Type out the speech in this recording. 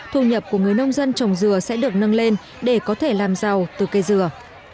thu nhập của người nông dân trồng dừa sẽ được nâng lên để có thể làm giàu từ cây dừa